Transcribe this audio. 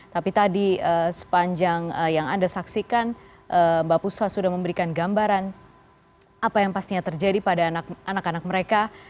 tapi tadi sepanjang yang anda saksikan mbak puspa sudah memberikan gambaran apa yang pastinya terjadi pada anak anak mereka